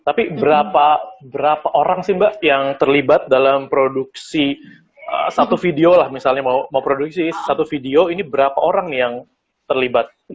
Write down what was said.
tapi berapa orang sih mbak yang terlibat dalam produksi satu video lah misalnya mau produksi satu video ini berapa orang nih yang terlibat